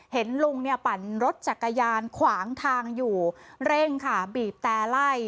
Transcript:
เห็นลุงเนี่ยปั่นรถจักรยานขวางทางอยู่เร่งค่ะบีบแต่ไล่